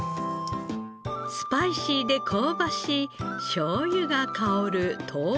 スパイシーで香ばしいしょうゆが香る豆腐干。